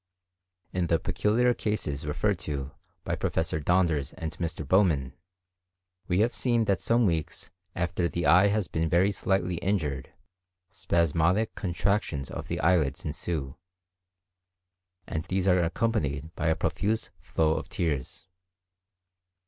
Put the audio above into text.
In the peculiar cases referred to by Professor Donders and Mr. Bowman, we have seen that some weeks after the eye has been very slightly injured, spasmodic contractions of the eyelids ensue, and these are accompanied by a profuse flow of tears.